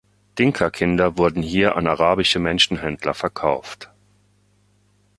Dinka-Kinder wurde hier an arabische Menschenhändler verkauft.